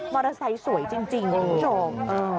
มอเตอร์ไซต์สวยจริงโอ้โหชม